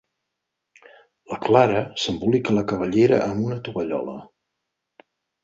La Clara s'embolica la cabellera amb una tovallola.